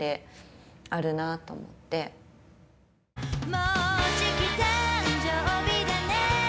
もうじき誕生日だね